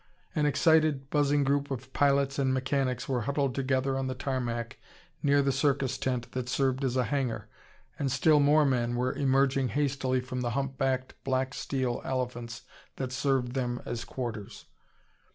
An excited, buzzing group of pilots and mechanics were huddled together on the tarmac near the circus tent that served as a hangar, and still more men were emerging hastily from the humpbacked, black steel elephants that served them as quarters.